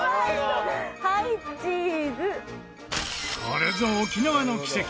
これぞ沖縄の奇跡！